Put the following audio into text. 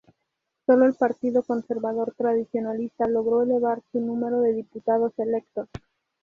Solo el Partido Conservador Tradicionalista logró elevar su número de diputados electos.